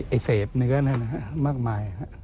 ไอ้เศษเนื้อมากมาย